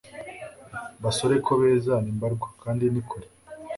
Basore ko beza ni mbarwa kandi ni kure